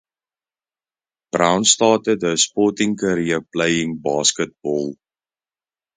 Brown started her sporting career playing basketball.